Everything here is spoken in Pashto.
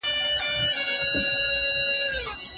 پرشتي د انسان علمي وړتيا ته حيرانې سوې.